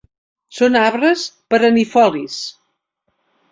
Són arbres perennifolis.